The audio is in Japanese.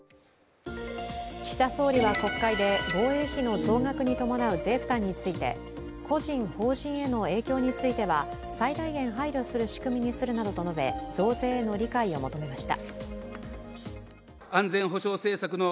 岸田総理は国会で防衛費の増額に伴う税負担について個人、法人への影響については最大限配慮する仕組みにするなどと述べ、増税への理解を求めました。